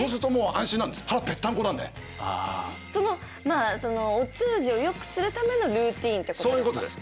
まあそのお通じをよくするためのルーティーンってことですか？